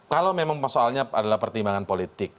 kalau memang soalnya adalah pertimbangan politik